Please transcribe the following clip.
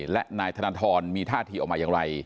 และนายธนทรมีท่าทีออกมาอย่างไร